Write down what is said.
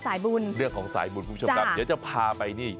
กลายเป็นประเพณีที่สืบทอดมาอย่างยาวนานจนถึงปัจจุบันอย่างที่เห็นนี่แหละค่ะ